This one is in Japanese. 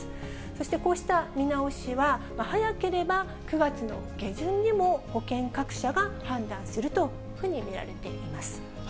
そして、こうした見直しは、早ければ９月の下旬にも保険各社が判断するというふうに見られています。